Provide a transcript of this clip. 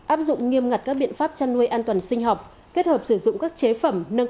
áp dụng nghiêm ngặt các biện pháp chăn nuôi an toàn sinh học kết hợp sử dụng các chế phẩm